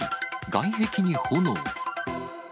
外壁に炎。